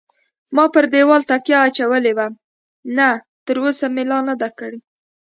ما پر دېواله تکیه اچولې وه، نه تراوسه مې لا نه دی کړی.